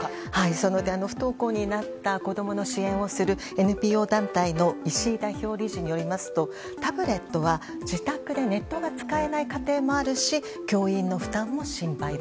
その点、不登校になった子供の支援をするＮＰＯ団体の石井代表理事によりますとタブレットは自宅でネットが使えない家庭もあるし教員の負担も心配だ。